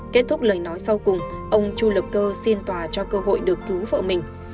kết thúc lời nói sau cùng ông chu lập cơ xin tòa cho cơ hội được cứu vợ mình